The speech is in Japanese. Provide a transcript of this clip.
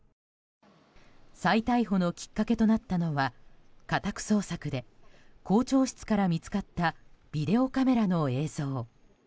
再逮捕のきっかけとなったのは家宅捜索で校長室から見つかったビデオカメラの映像。